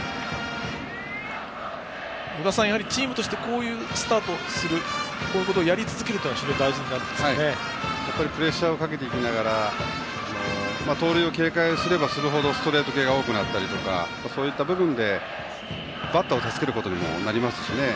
与田さん、やはりチームとしてこういうスタートをするこういうことをやり続けるのはプレッシャーをかけていきながら盗塁を警戒すればする程ストレート系が多くなったりという部分でバッターを助けることにもなりますからね。